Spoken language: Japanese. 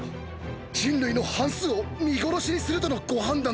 人類の半数を見殺しにするとのご判断でしょうか